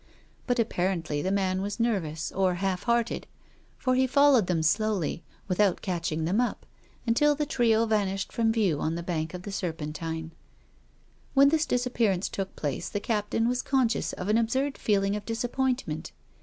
But apparently the man was nerv ous or half hearted, for he followed them slowly, without catching them up, until the trio vanished from view on the bank of the Serpentine. THE LADY AND THE BEGGAR. 35 1 When this disappearance took place the Captain was conscious of an absurd feeling of disappoint ment.